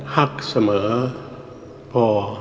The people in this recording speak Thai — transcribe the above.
หักเสมอพอ